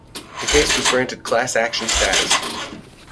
The case was granted class action status.